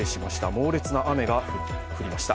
猛烈な雨が降りました。